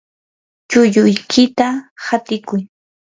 chulluykita hatikuy.